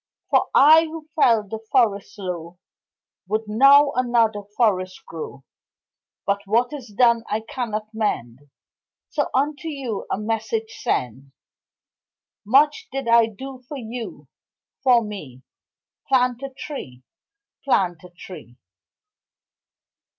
For I who fell the forest low Would now another forest grow, But what is done I cannot mend, So unto you a message send Much did I do for you, for me Plant a tree, Plant a tree.